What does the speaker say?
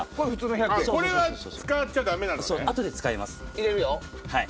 入れるよ。